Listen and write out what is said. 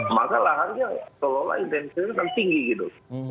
maka laharnya seolah olah intensnya tinggi gitu